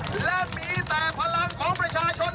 และมีแต่พลังของประชาชน